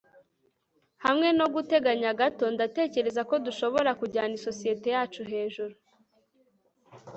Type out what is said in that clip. hamwe noguteganya gato, ndatekereza ko dushobora kujyana isosiyete yacu hejuru